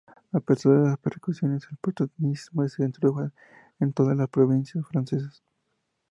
A pesar de las persecuciones el protestantismo se introdujo en todas las provincias francesas.